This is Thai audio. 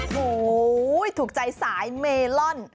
โหถูกใจสายเมล่อน